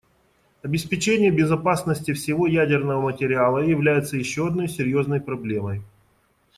Обеспечение безопасности всего ядерного материала является еще одной серьезной проблемой.